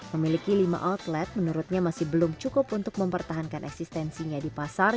memiliki lima outlet menurutnya masih belum cukup untuk mempertahankan eksistensinya di pasar